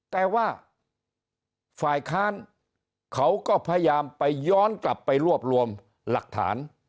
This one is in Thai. แต่ว่าฝ่ายค้านเขาก็พยายามไปย้อนกลับไปรวบรวมหลักฐาน